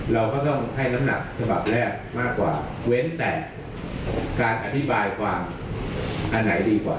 เราก็ต้องให้น้ำหนักฉบับแรกมากกว่าเว้นแต่การอธิบายความอันไหนดีกว่า